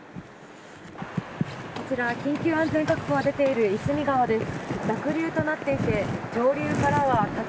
こちら、緊急安全確保が出ている夷隅川です。